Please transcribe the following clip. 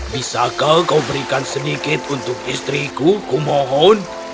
bisakah kau berikan sedikit untuk istriku ku mohon